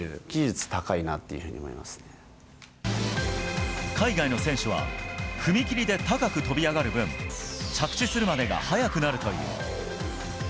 技術高いなっていうふうに思いま海外の選手は、踏み切りで高く跳び上がる分、着地するまでがはやくなるという。